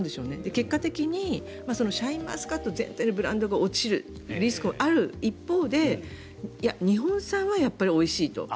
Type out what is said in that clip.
結果的にシャインマスカット全体のブランド力が落ちるリスクもある一方で日本産はやっぱりおいしいと。